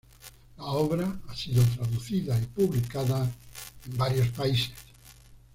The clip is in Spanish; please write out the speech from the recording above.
La obra ha sido traducida y publicada en varios países.